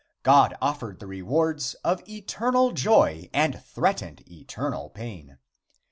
God offered the rewards of eternal joy and threatened eternal pain.